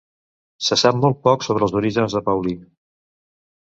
Se sap molt poc sobre els orígens de Paulí.